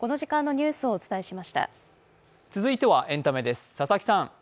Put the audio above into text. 続いてはエンタメです。